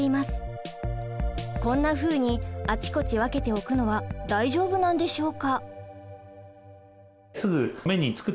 こんなふうにあちこち分けて置くのは大丈夫なんでしょうか？